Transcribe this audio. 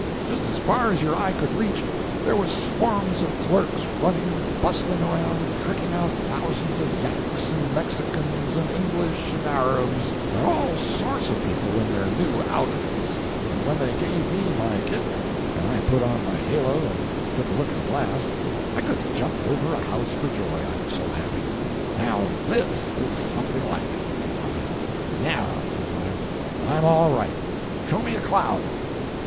Just as far as your eye could reach, there was swarms of clerks, running and bustling around, tricking out thousands of Yanks and Mexicans and English and Arabs, and all sorts of people in their new outfits; and when they gave me my kit and I put on my halo and took a look in the glass, I could have jumped over a house for joy, I was so happy. "Now this is something like!" says I. "Now," says I, "I'm all right—show me a cloud."